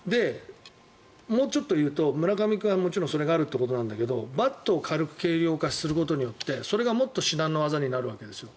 もうちょっと言うと村上君はもちろんそれがあるということなんだけどバットを軽く軽量化することによってそれがもっと至難の業になるわけですよ。